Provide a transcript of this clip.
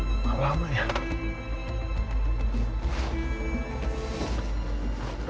belum selesai interogasinya ya